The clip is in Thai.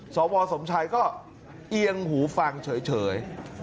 สวสมชัยก็เอียงหูฟังเฉย